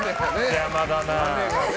邪魔だな。